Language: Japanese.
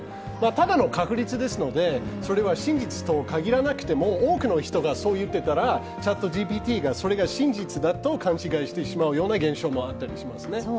ただの確率ですので、それは真実と限らなくても多くの人がそう言っていたら、ＣｈａｔＧＰＴがそれが真実だと勘違いしてしまうような現象もあったりしますね。